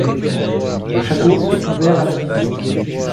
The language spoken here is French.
Le château est ouvert à la visite.